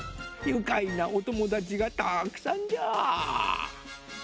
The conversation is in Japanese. ゆかいなおともだちがたくさんじゃ。